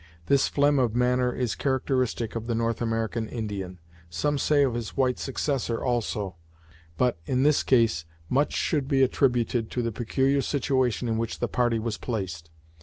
This phlegm of manner is characteristic of the North American Indian some say of his white successor also but, in this case much should be attributed to the peculiar situation in which the party was placed.